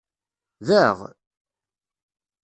Daɣ!